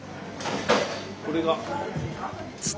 これが。